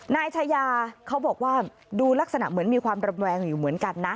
นายชายาเขาบอกว่าดูลักษณะเหมือนมีความระแวงอยู่เหมือนกันนะ